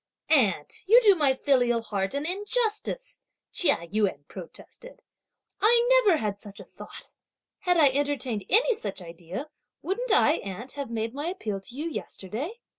"Aunt, you do my filial heart an injustice," Chia Yün protested; "I never had such a thought; had I entertained any such idea, wouldn't I, aunt, have made my appeal to you yesterday?